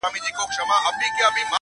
زرکي وویل زما ژوند به دي په کار سي -